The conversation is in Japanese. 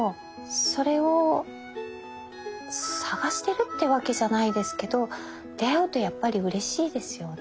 それを探してるってわけじゃないですけど出会うとやっぱりうれしいですよね。